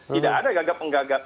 tidak ada gagap enggagap